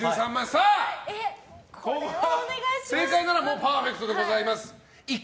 さあ、ここが正解ならパーフェクトでございます。